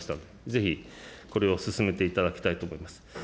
ぜひ、これを進めていただきたいと思います。